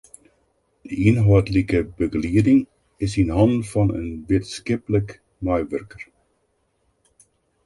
De ynhâldlike begelieding is yn hannen fan in wittenskiplik meiwurker.